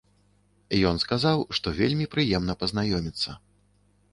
Ён сказаў, што вельмі прыемна пазнаёміцца.